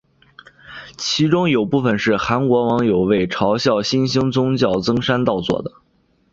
其中有部分是韩国网友为嘲笑新兴宗教甑山道做的。